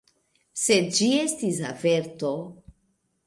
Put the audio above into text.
Sed ĝi estis averto.